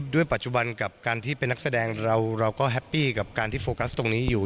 ปัจจุบันกับการที่เป็นนักแสดงเราก็แฮปปี้กับการที่โฟกัสตรงนี้อยู่